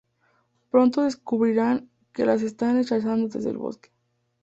Pronto descubrirán que les están acechando desde el bosque.